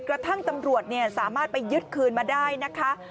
กระทั่งตำรวจสามารถไปยึดคืนมาได้นะคะ